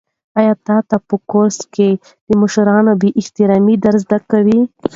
آیا تا ته په کورس کې د مشرانو بې احترامي در زده کوي؟